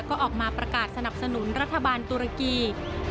ก็ออกมาประกาศสนับสนุนรัฐบาลตุรกี